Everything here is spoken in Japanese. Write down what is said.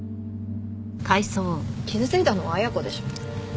傷ついたのは恵子でしょ。